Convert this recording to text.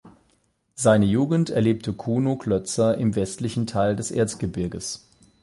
Seine Jugend erlebte Kuno Klötzer im westlichen Teil des Erzgebirges.